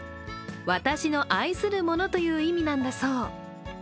私の愛するものという意味なんだそう。